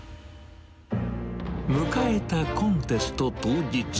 迎えたコンテスト当日。